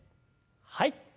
はい。